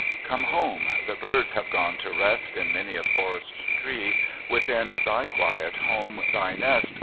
Come home! the hirds have gone to rest In many a forest tree; Within thy quiet home, thv nest.